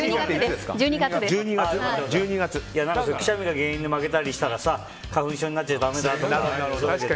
くしゃみが原因で負けたりしたらさ花粉症になっちゃだめだとか。